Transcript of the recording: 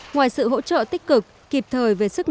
ngoài sự hỗ trợ tích cực kịp thời về sức